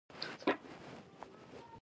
نو تل د زېنک او مسو ګډوله واخلئ،